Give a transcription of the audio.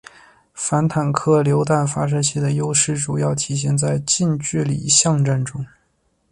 反坦克榴弹发射器的优势主要体现在近距离巷战中。